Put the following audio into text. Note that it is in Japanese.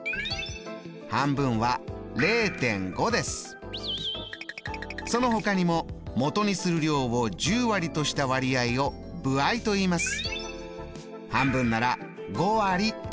半分はそのほかにももとにする量を１０割とした割合を歩合といいます。